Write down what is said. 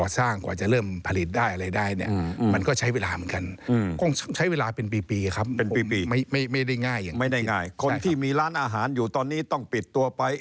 คนที่มีร้านอาหารอยู่ตอนนี้ต้องปิดตัวไป